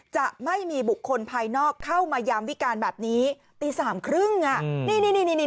จะไม่มีบุคคลภายนอกเข้ามายามวิการแบบนี้ตีสามครึ่งอ่ะนี่นี่นี่นี่นี่นี่